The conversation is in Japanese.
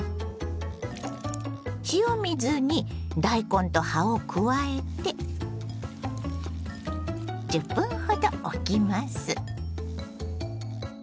塩水に大根と葉を加えて１０分ほどおきます。